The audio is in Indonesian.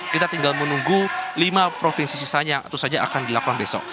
kita tinggal menunggu lima provinsi sisanya tentu saja akan dilakukan besok